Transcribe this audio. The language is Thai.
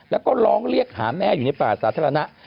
แล้วก็ร้องเรียกหาแม่อยู่ในป่าสาธารณะ